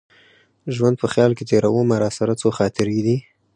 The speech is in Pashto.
ژوند په خیال کي تېرومه راسره څو خاطرې دي